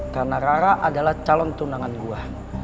karena rara adalah calon tunangan gue